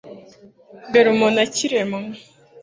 Mbere umuntu akiremwa